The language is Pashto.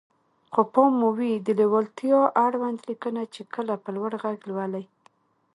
خو پام مو وي د ليوالتيا اړوند ليکنه چې کله په لوړ غږ لولئ.